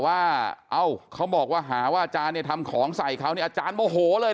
ว่าเขาบอกว่าหาว่าอาจารย์ทำของใส่เขานี้อาจารย์โมโหเลย